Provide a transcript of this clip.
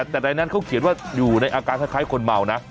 แต่ในนั้นเขาเขียนว่าอยู่ในอาการคล้ายคนเมานะ